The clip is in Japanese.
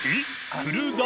クルーザー。